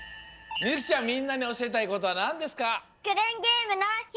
みんなにおしえたいことはなんですか？